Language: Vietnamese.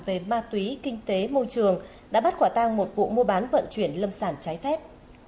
về ma túy kinh tế môi trường đã bắt quả tang một vụ mua bán vận chuyển lâm sản trái phép